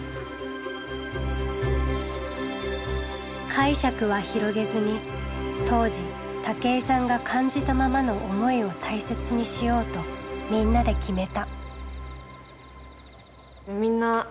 解釈は広げずに当時武井さんが感じたままの思いを大切にしようとみんなで決めた。